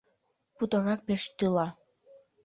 Путырак пеш тӱла.